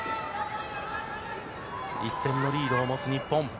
１点のリードを持つ日本。